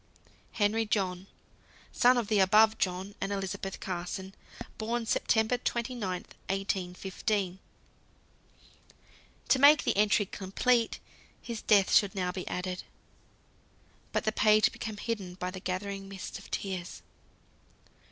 "Henry John, son of the above John and Elizabeth Carson. Born, Sept. 29th, 1815." To make the entry complete, his death should now be added. But the page became hidden by the gathering mist of tears.